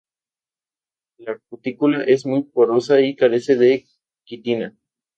La cutícula es muy porosa y carece de quitina.